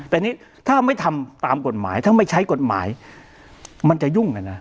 แต่นี่ถ้าไม่ทำตามกฎหมายถ้าไม่ใช้กฎหมายมันจะยุ่งกันนะ